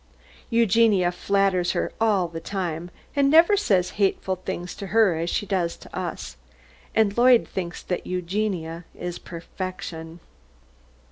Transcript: Eugenia flatters her all the time, and never says hateful things to her as she does to us, and Lloyd thinks that Eugenia is perfection.